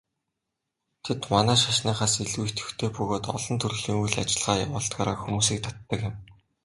Тэд манай шашныхаас илүү идэвхтэй бөгөөд олон төрлийн үйл ажиллагаа явуулдгаараа хүмүүсийг татдаг юм.